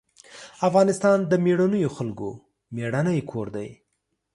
افغانستان د مېړنيو خلکو مېړنی کور دی.